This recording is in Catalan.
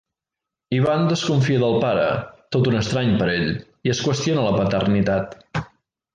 Ivan desconfia del pare, tot un estrany per ell, i es qüestiona la paternitat.